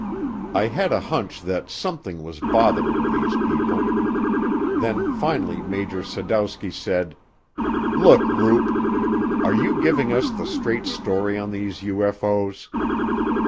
I had a hunch that something was bothering these people. Then finally Major Sadowski said, "Look, Rupe, are you giving us the straight story on these UFO's?"